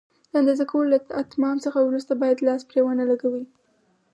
د اندازه کولو له اتمام څخه وروسته باید لاس پرې ونه لګوئ.